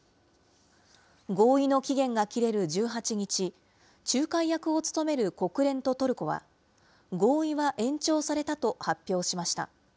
合意の期限が切れる１８日、仲介役を務める国連とトルコは、合意は延長されたと発表しました。